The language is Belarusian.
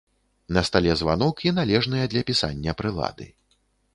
На стале званок і належныя для пісання прылады.